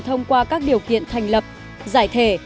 thông qua các điều kiện thành lập giải thể